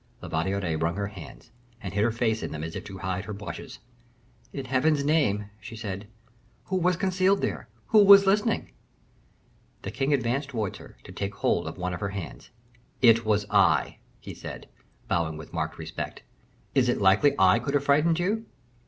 La Valliere wrung her hands, and hid her face in them, as if to hide her blushes. "In Heaven's name," she said, "who was concealed there? Who was listening?" The king advanced towards her, to take hold of one of her hands. "It was I," he said, bowing with marked respect. "Is it likely I could have frightened you?"